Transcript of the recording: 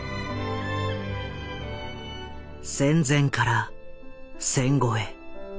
戦前から戦後へ。